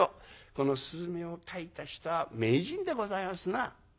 この雀を描いた人は名人でございますな」。